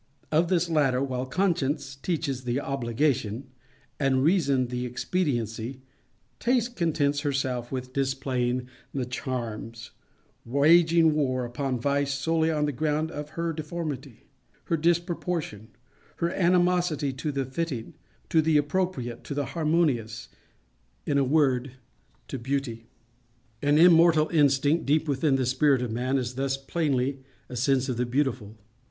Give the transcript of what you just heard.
Of this latter, while Conscience teaches the obligation, and Reason the expediency, Taste contents herself with displaying the charms:—waging war upon Vice solely on the ground of her deformity—her disproportion—her animosity to the fitting, to the appropriate, to the harmonious—in a word, to Beauty. An immortal instinct deep within the spirit of man is thus plainly a sense of the Beautiful.